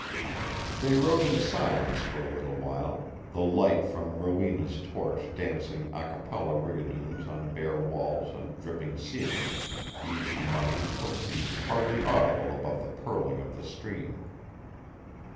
They rode in silence for a little while, the light from Rowena's torch dancing acappella rigadoons on bare walls and dripping ceilings, Easy Money's hoofbeats hardly audible above the purling of the stream.